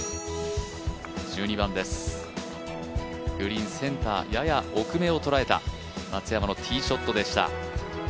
１２番です、グリーンセンターやや奥めを捉えた松山のティーショットでした。